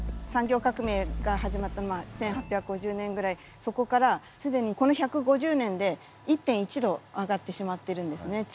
産業革命が始まった１８５０年ぐらいそこから既にこの１５０年で１．１度上がってしまってるんですね。